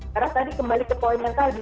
karena tadi kembali ke poin yang tadi